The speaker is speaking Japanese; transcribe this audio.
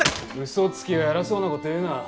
嘘つきが偉そうなこと言うな。